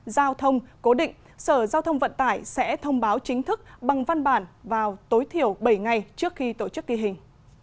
giao thông cố định sở giao thông vận tải sẽ thông báo chính thức bằng văn bản vào tối thiểu bảy ngày trước khi tổ chức ghi hình